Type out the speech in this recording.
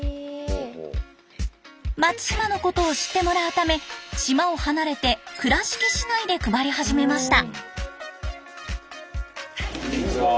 松島のことを知ってもらうため島を離れて倉敷市内で配り始めました。